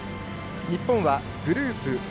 日本はグループＡ